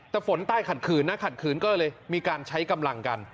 แต่ฝนใต้ขัดขืนนะขัดขืนก็เลยมีการใช้กำลังกัน